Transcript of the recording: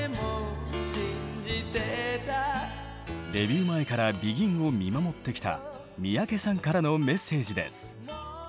デビュー前からＢＥＧＩＮを見守ってきた三宅さんからのメッセージです。